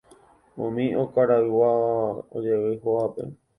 Umi okarayguáva ojevy hógape